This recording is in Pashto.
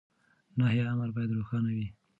نهي امر بايد روښانه وي.